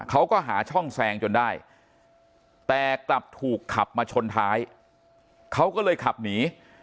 เขาก็หาช่องแซงจนได้แต่กลับถูกขับมาชนท้ายเขาก็เลยขับหนี